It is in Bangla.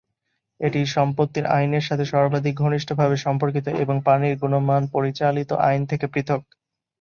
এটি সম্পত্তির আইনের সাথে সর্বাধিক ঘনিষ্ঠভাবে সম্পর্কিত এবং পানির গুণমান পরিচালিত আইন থেকে পৃথক।